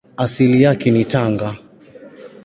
Asili yake ni Tanga.